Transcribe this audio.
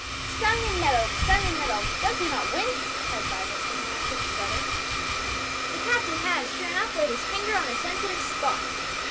"Stung and nettled! stung and nettled! does he not wince!" cried Vibert, looking after his brother. "The captain has, sure enough, laid his finger on the sensitive spot!"